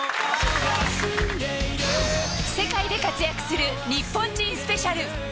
世界で活躍する日本人スペシャル。